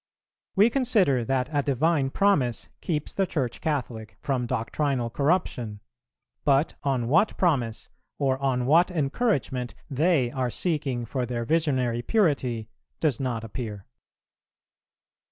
We consider that a divine promise keeps the Church Catholic from doctrinal corruption; but on what promise, or on what encouragement, they are seeking for their visionary purity does not appear."